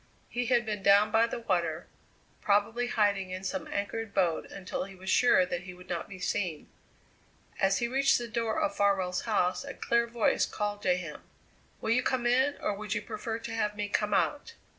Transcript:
He had been down by the water, probably hiding in some anchored boat until he was sure that he would not be seen. As he reached the door of Farwell's house a clear voice called to him: "Will you come in, or would you prefer to have me come out?"